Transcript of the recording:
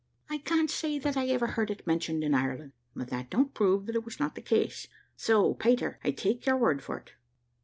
"I can't say that I ever heard it mentioned in Ireland, but that don't prove that it was not the case; so, Peter, I'll take your word for it.